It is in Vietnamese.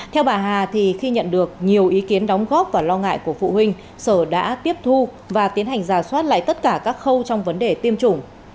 theo bà hà khi nhận được nhiều ý kiến đóng góp và lo ngại của phụ huynh sở đã tiếp thu và tiến hành giả soát lại tất cả các khâu trong vấn đề tiêm chủng